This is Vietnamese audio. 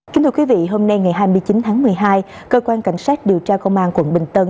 kính thưa quý vị hôm nay ngày hai mươi chín tháng một mươi hai cơ quan cảnh sát điều tra công an quận bình tân